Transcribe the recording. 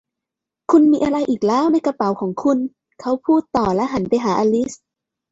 'คุณมีอะไรอีกแล้วในกระเป๋าของคุณ ? ' เขาพูดต่อและหันไปหาอลิซ